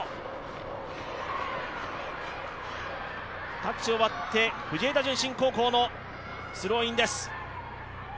タッチを割って藤枝順心高校のスローイングです。